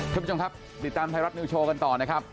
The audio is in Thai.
ท่านผู้ชมครับติดตามไทยรัฐนิวโชว์กันต่อนะครับ